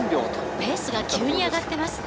ペースが急に上がっていますね。